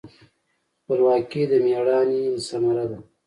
خپلواکي د میړانې ثمره ده.